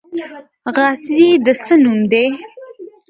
غازی د څه نوم دی؟